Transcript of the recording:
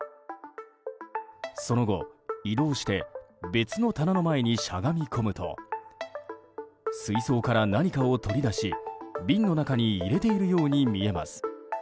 その後、移動して別の棚の前にしゃがみ込むと水槽から何かを取り出し瓶の中に入れているように見えます。